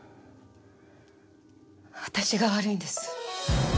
私が悪いんです。